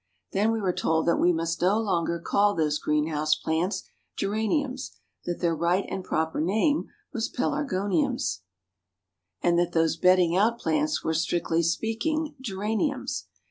Then we were told that we must no longer call those green house plants Geraniums, that their right and proper name was Pelargoniums, and that those bedding out plants were, strictly speaking, Geraniums.